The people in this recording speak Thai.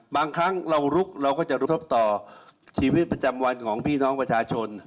บางครั้งเราลุกเราก็จะกระทบต่อชีวิตประจำวันของพี่น้องประชาชน